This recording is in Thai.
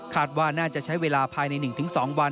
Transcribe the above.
ว่าน่าจะใช้เวลาภายใน๑๒วัน